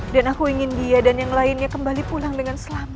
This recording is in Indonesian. dan aku ingin dia dan yang lainnya kembali pulang dengan selamat